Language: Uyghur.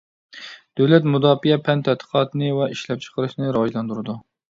دۆلەت مۇداپىئە پەن تەتقىقاتىنى ۋە ئىشلەپچىقىرىشنى راۋاجلاندۇرىدۇ.